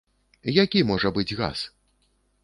Які можа быць газ?